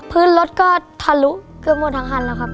พื้นรถก็ทะลุเกือบหมดทั้งคันแล้วครับ